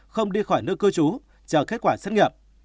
không đi khỏi nơi cư trú chờ kết quả xét nghiệm